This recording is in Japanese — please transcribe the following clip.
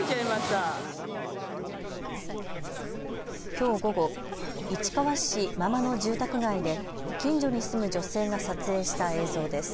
きょう午後、市川市真間の住宅街で近所に住む女性が撮影した映像です。